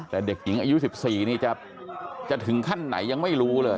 แต่เด็กหญิงอายุ๑๔นี่จะถึงขั้นไหนยังไม่รู้เลย